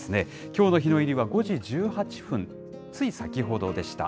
きょうの日の入りは５時１８分、つい先ほどでした。